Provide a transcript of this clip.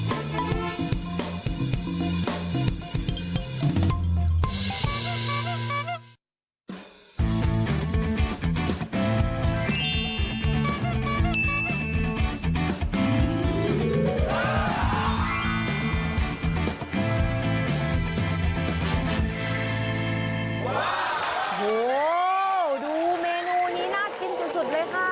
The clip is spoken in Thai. โอ้โหดูเมนูนี้น่ากินสุดเลยค่ะ